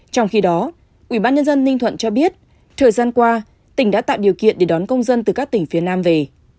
trong khi đó ủy ban dân ninh thuận cho biết thời gian qua tỉnh đã tạo điều kiện để đón công dân từ các tỉnh phía nam về